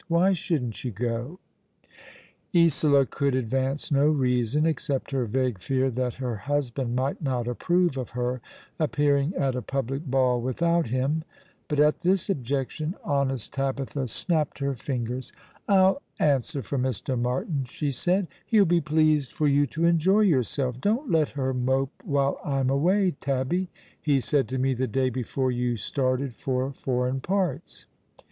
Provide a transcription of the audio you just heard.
Why shouldn't you go ?" Isola could advance no reason, except her vague fear that her husband might not approve of her appearing at a public ball without him ; but at this objection honest Tabitha snapped her fingers. ^' Dreaming^ she knew it was a DreaniT 53 " I'll answer for Mr. Martin," she said. " He'll be pleased for you to enjoy yourself. 'Don't let her mope while I'm away, Tabby,' he said to me the day before you started for foreign parts.